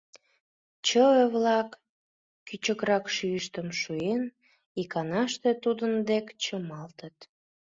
Чыве-влак, кӱчыкрак шӱйыштым шуен, иканаште тудын дек чымалтыт.